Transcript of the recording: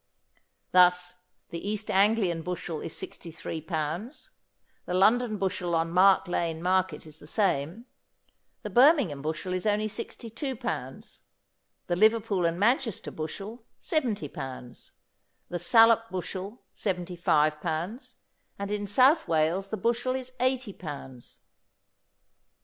Thus the East Anglian bushel is 63 pounds, the London bushel on Mark Lane Market is the same, the Birmingham bushel is only 62 pounds, the Liverpool and Manchester bushel 70 pounds, the Salop bushel 75 pounds, and in South Wales the bushel is 80 pounds.